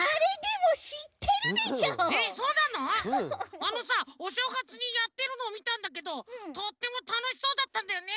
あのさおしょうがつにやってるのをみたんだけどとってもたのしそうだったんだよね。